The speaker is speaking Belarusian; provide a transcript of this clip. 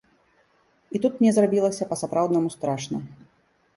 І тут мне зрабілася па-сапраўднаму страшна.